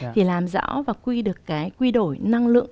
thì làm rõ và quy được cái quy đổi năng lượng